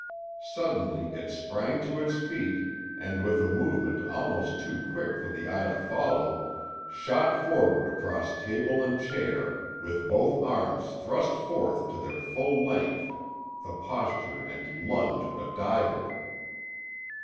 Suddenly it sprang to its feet and with a movement almost too quick for the eye to follow shot forward across table and chair, with both arms thrust forth to their full length—the posture and lunge of a diver.